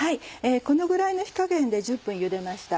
このぐらいの火加減で１０分ゆでました。